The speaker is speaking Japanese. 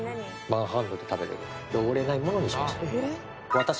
ワンハンドで食べれる汚れないものにしました